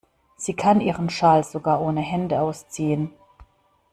Sie kann ihren Schal sogar ohne Hände ausziehen.